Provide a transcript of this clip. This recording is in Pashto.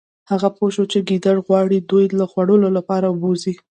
هغه پوه شو چې ګیدړ غواړي دوی د خوړلو لپاره بوزي